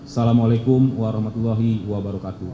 assalamu alaikum warahmatullahi wabarakatuh